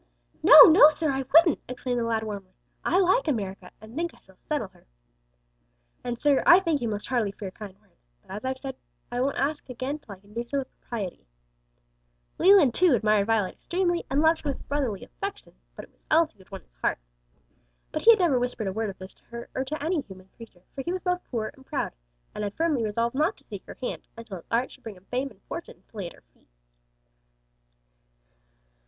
"No, no, sir, I wouldn't!" exclaimed the lad warmly. "I like America, and think I shall settle here. And sir, I thank you most heartily for your kind words. But, as I've said, I won't ask again till I can do so with propriety." Leland, too, admired Violet extremely, and loved her with brotherly affection; but it was Elsie who had won his heart. But he had never whispered a word of this to her, or to any human creature, for he was both poor and proud, and had firmly resolved not to seek her hand until his art should bring him fame and fortune to lay at her feet.